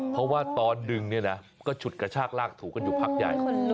เพราะว่าตอนดึงเนี่ยนะก็ฉุดกระชากลากถูกันอยู่พักใหญ่